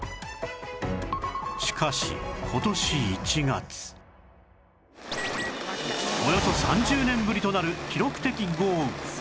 しかしおよそ３０年ぶりとなる記録的豪雨